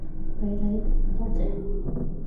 畀你，多謝